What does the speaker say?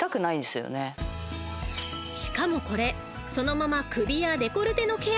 ［しかもこれそのまま］お。